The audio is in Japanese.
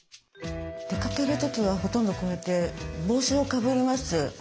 出かける時はほとんどこうやって帽子をかぶります。